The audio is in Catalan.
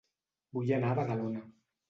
Vull anar a Badalona